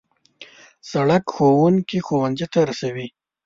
سړک ښوونکي ښوونځي ته رسوي.